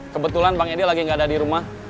kebetulan bang edi lagi nggak ada di rumah